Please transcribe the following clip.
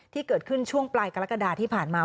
ที่เกิดขึ้นช่วงปลายกรกฎาที่ผ่านมา